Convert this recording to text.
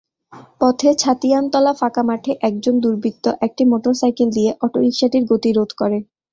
পথে ছাতিয়ানতলা ফাঁকা মাঠে একজন দুর্বৃত্ত একটি মোটরসাইকেল দিয়ে অটোরিকশাটির গতিরোধ করে।